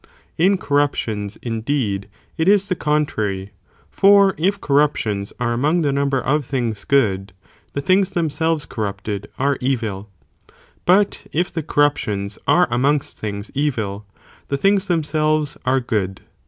4 In corruptions, indeed, it is the contrary, for if corruptions are among the number of things good, the things themselves (corrupted) are evil,5 but if the corruptions are amongst things evil, the things themselves are good.